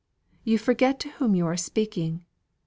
you forget to whom you are speaking."